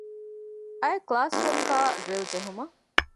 އައި ކްލާސްރޫމުގައި ގްރިލް ޖެހުމަށް